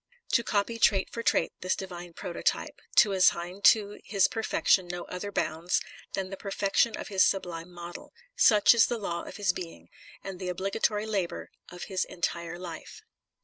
To copy trait for trait this divine Prototype, to assign to his perfection no other bounds than the perfection of his sublime Model ; such is the law of his being, and the obligatory labor of his en tire life.